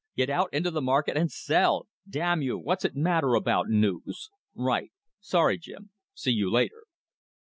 Get out into the market and sell. Damn you, what's it matter about news! Right! Sorry, Jim. See you later."